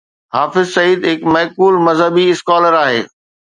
حافظ سعيد هڪ معقول مذهبي اسڪالر آهي.